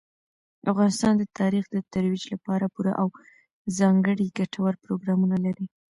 افغانستان د تاریخ د ترویج لپاره پوره او ځانګړي ګټور پروګرامونه لري.